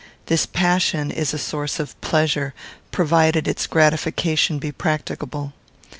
This passion is a source of pleasure, provided its gratification be practicable.